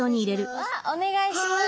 わっお願いします。